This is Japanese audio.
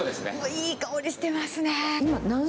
いい香りしてますね。